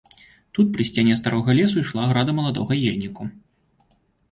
Тут, пры сцяне старога лесу, ішла града маладога ельніку.